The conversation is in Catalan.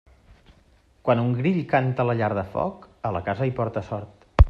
Quan un grill canta a la llar de foc, a la casa hi porta sort.